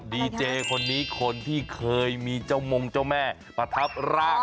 ดีเจคนนี้คนที่เคยมีเจ้ามงเจ้าแม่ประทับร่าง